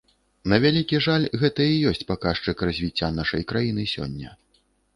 На вялікі жаль, гэта і ёсць паказчык развіцця нашай краіны сёння.